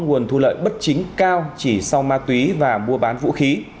nguồn thu lợi bất chính cao chỉ sau ma túy và mua bán vũ khí